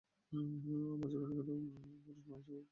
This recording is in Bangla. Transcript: মাঝখানেরটা পুরুষ ময়ূর, আর দুপাশের দুইটি মহিলা ময়ূর।